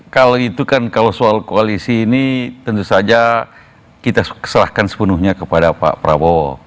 kalau itu kan kalau soal koalisi ini tentu saja kita serahkan sepenuhnya kepada pak prabowo